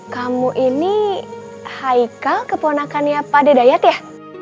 kamu ini haikal keponakannya pak dedayat ya